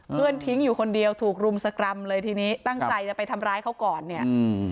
ทิ้งอยู่คนเดียวถูกรุมสกรรมเลยทีนี้ตั้งใจจะไปทำร้ายเขาก่อนเนี่ยอืม